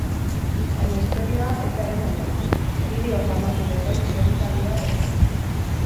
Baina istorioa ez da hemen amaitzen, bideo famatu bezain solidarioa delako.